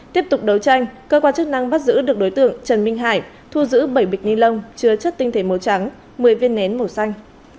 tiếp tục đấu tranh cơ quan chức năng bắt giữ được đối tượng trần minh hải thu giữ bảy bịch ni lông chứa chất tinh thể màu trắng một mươi viên nén màu xanh